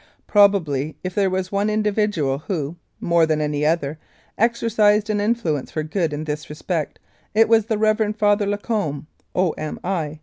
Probably if there was one individual who, more than any other, exercised an influence for good in this respect, it was the Reverend Father Lacombe, O.M.I.